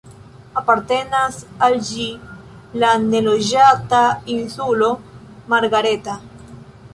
Apartenas al ĝi la neloĝata Insulo Margareta.